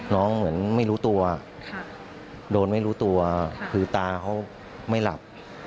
เหมือนไม่รู้ตัวโดนไม่รู้ตัวคือตาเขาไม่หลับ